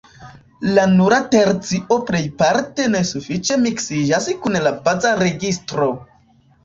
La nura tercio plejparte ne sufiĉe miksiĝas kun la baza registro.